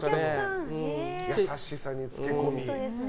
優しさに漬け込み。